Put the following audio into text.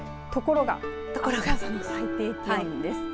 ところがあす朝の最低気温です。